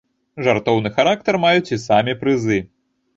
Жартоўны характар маюць і самі прызы.